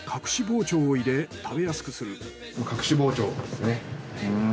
隠し包丁ですね。